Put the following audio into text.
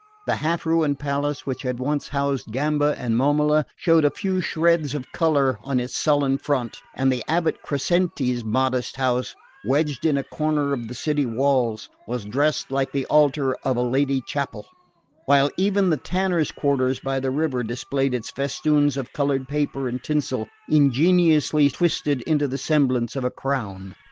The half ruined palace which had once housed Gamba and Momola showed a few shreds of colour on its sullen front, and the abate Crescenti's modest house, wedged in a corner of the city walls, was dressed like the altar of a Lady Chapel; while even the tanners' quarter by the river displayed its festoons of coloured paper and tinsel, ingeniously twisted into the semblance of a crown.